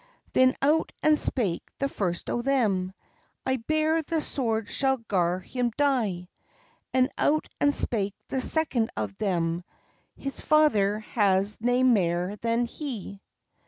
Then out and spake the first o' them, "I bear the sword shall gar him die!" And out and spake the second o' them, "His father has nae mair than he!"